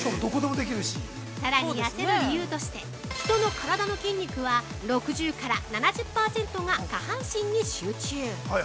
◆さらに痩せる理由として人の体の筋肉は６０から７０％が下半身に集中。